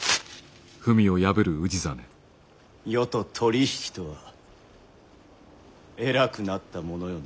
余と取り引きとは偉くなったものよの。